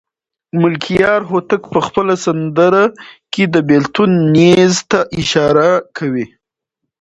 ملکیار هوتک په خپله سندره کې د بېلتون نیز ته اشاره کوي.